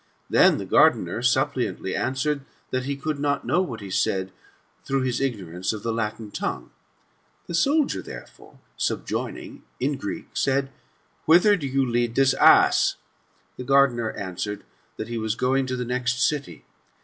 Then the gardener suppliantly answered, That he could not know what he said, through his ignorance of the Latin language. The soldier, therefore, subjoining, in Greek, said, " Whither do you lead this ass ?" The gardener answered, That he was going to the next city.